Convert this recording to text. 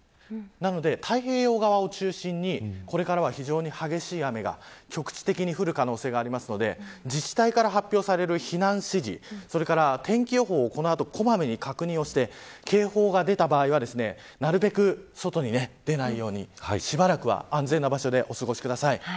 なので、太平洋側を中心にこれからは非常に激しい雨が局地的に降る可能性があるので自治体から発表される避難指示それから天気予報を小まめに確認して警報が出た場合はなるべく外に出ないようにしばらくは安全な場所でお過ごしください。